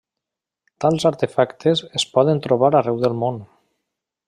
Tals artefactes es poden trobar arreu del món.